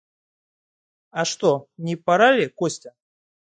А что, не пора ли, Костя?